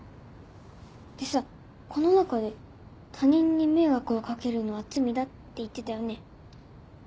でさこの中で「他人に迷惑をかけるのは罪だ」って言ってたよね？